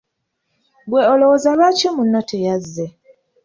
Ggwe olowooza lwaki munno teyazze?